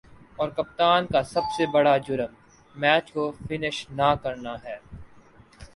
اور کپتان کا سب سے بڑا"جرم" میچ کو فنش نہ کرنا ہے ۔